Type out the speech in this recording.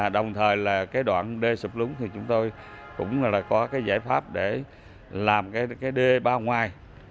đồng thời đoạn đê sụp lún thì chúng tôi cũng có giải pháp để làm đê bao ngoài